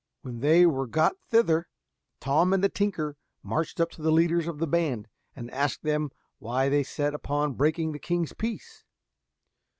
When they were got thither, Tom and the tinker marched up to the leaders of the band, and asked them why they were set upon breaking the king's peace.